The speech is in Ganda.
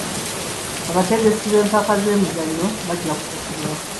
Abategesi b'empaka z'emizannyo bajja kusasulwa.